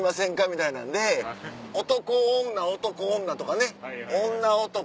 みたいなんで男女男女とかね女男